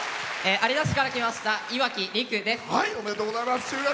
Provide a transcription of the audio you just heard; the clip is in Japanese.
有田市から来ましたいわきです。